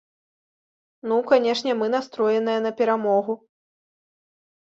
Ну, канешне, мы настроеныя на перамогу!